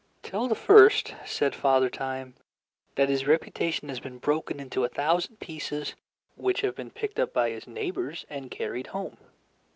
"Tell the first," said Father Time, "that his reputation has been broken into a thousand pieces which have been picked up by his neighbors and carried home.